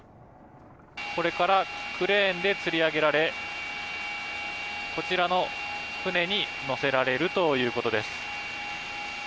これからクレーンでつり上げられ、こちらの船に載せられるということです。